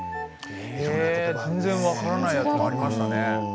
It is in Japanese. え全然分からないやつもありましたね。